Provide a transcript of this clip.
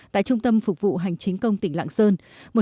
tại trung tâm phục vụ hành chính công tỉnh lạng sơn